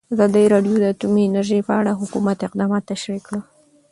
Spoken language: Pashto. ازادي راډیو د اټومي انرژي په اړه د حکومت اقدامات تشریح کړي.